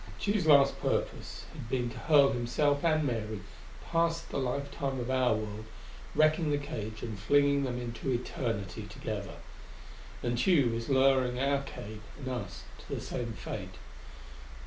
Tugh's last purpose had been to hurl himself and Mary past the lifetime of our world, wrecking the cage and flinging them into Eternity together. And Tugh was luring our cage and us to the same fate.